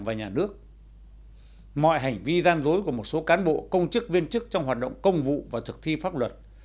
ngoài nhà nước mọi hành vi gian rối của một số cán bộ công chức viên chức trong hoạt động công vụ và thực thi pháp luật